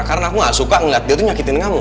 karena aku gak suka ngeliat dia tuh nyakitin kamu